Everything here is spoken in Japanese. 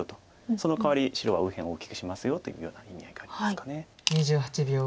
そのかわり白は右辺を大きくしますよというような意味合いがありますか。